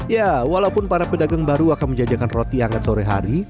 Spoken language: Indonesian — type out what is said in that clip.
ya walaupun para pedagang baru akan menjajakan roti hangat sore hari